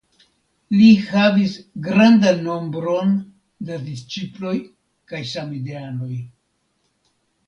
Li havis grandan nombron da disĉiploj kaj samideanoj.